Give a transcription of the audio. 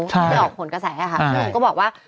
ที่ออกผลกระแสค่ะทุกคนก็บอกว่า